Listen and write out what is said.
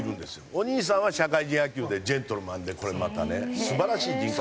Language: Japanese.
お兄さんは社会人野球でジェントルマンでこれまたね。素晴らしい人格。